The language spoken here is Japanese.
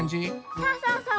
そうそうそう。